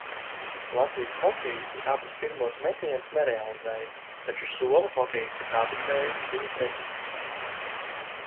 Latvijas hokejisti abus pirmos metienus nerealizēja, taču somu hokejisti abas reizes bija precīzi.